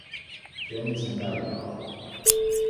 Jones and Larrybob.